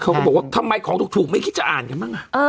เขาก็บอกว่าทำไมของถูกไม่คิดจะอ่านกันบ้าง